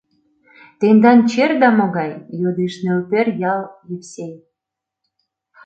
— Тендан черда могай? — йодеш Нӧлпер ял Евсей.